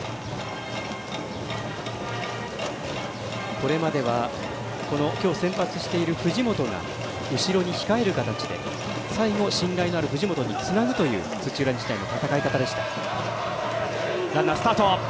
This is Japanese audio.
これまでは今日、先発している藤本が後ろに控える形で最後、信頼のある藤本につなぐという土浦日大の戦い方でした。